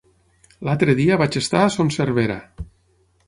L'altre dia vaig estar a Son Servera.